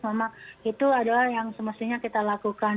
memang itu adalah yang semestinya kita lakukan